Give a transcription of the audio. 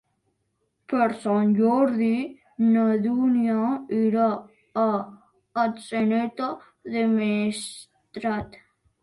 Per Sant Jordi na Dúnia irà a Atzeneta del Maestrat.